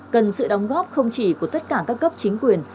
cần sự đóng góp không chỉ của tất cả các cấp chính quyền